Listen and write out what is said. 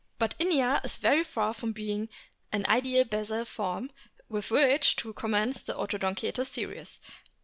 But Inia is very far from being an ideal basal form, with which to commence the Odontocete series.